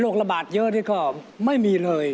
โรคระบาดเยอะดีกว่าไม่มีเลย